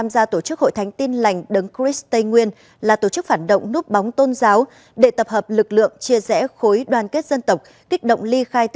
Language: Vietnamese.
xin chào và hẹn gặp lại